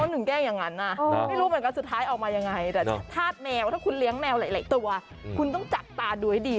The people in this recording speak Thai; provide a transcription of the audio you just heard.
ลูกย่งกันลูกป้าก็ต้องย่งความรักกันอย่าจัดทำน้องอย่าทำเพื่อน